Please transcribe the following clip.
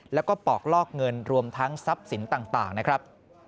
แล้วก็ปอกลอกเงินรวมทั้งทรัพย์สินต่างนะครับ